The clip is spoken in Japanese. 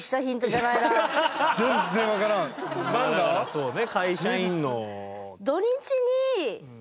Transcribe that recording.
そうね。